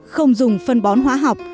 không dùng phân bón hóa học